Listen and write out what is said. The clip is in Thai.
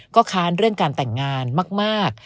ก็ค้านเรื่องการแต่งงานมาก